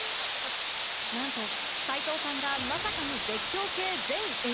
なんと齊藤さんがまさかの絶叫系全 ＮＧ